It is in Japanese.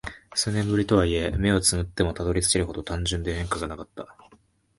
数年ぶりとはいえ、目を瞑ってもたどり着けるほど単純で変化がなかった。